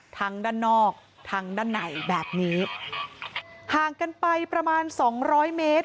ทั้งด้านนอกทั้งด้านไหนแบบนี้ห่างกันไปประมาณ๒๐๐เมตร